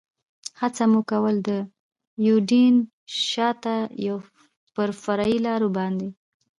هڅه مو کول، د یوډین شاته پر فرعي لارو باندې.